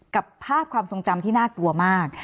กับภาพความทรงจำที่น่ากลัวมาก